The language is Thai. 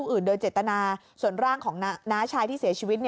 อื่นโดยเจตนาส่วนร่างของน้าชายที่เสียชีวิต